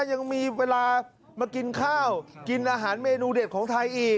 ยังมีเวลามากินข้าวกินอาหารเมนูเด็ดของไทยอีก